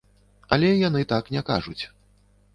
Але яны так не кажуць.